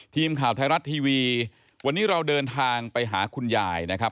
ทีมข่าวไทยรัฐทีวีวันนี้เราเดินทางไปหาคุณยายนะครับ